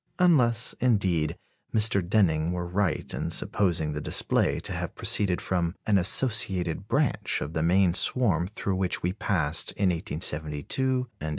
Unless, indeed, Mr. Denning were right in supposing the display to have proceeded from "an associated branch of the main swarm through which we passed in 1872 and 1885."